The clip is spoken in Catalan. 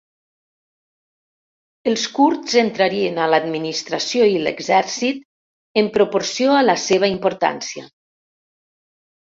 Els kurds entrarien a l'administració i l'exèrcit en proporció a la seva importància.